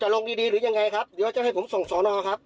ลงดีดีหรือยังไงครับเดี๋ยวจะให้ผมส่งสอนอครับ